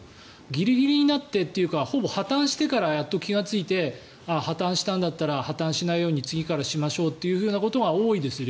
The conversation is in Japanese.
ギリギリになってというかほぼ破たんしてからやっと気がついて破たんしたんだったら破たんしないように次からしましょうっていうことが多いですよ。